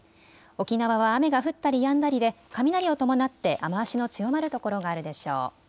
沖縄は雨が降ったりやんだりで雷を伴って雨足の強まる所があるでしょう。